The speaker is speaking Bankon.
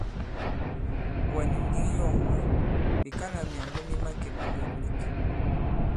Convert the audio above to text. Wɛ̀ nì ǹndǐŋ yɔ̂ŋ mwǎ ɓe kalā myàŋgo mi màkè ma mût nīk.